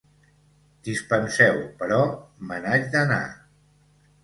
Dispenseu, però me n'haig d'anar.